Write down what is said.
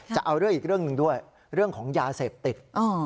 จะเอาเรื่องอีกเรื่องหนึ่งด้วยเรื่องของยาเสพติด